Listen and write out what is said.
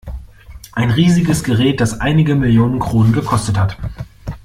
Ein riesiges Gerät, das einige Millionen Kronen gekostet hat.